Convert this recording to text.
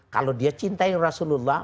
kalau dia cintai rasulullah